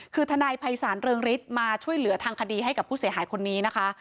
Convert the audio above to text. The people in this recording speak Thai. คือทนายภัยศาลเรืองฤทธิ์มาช่วยเหลือทางคดีให้กับผู้เสียหายคนนี้นะคะ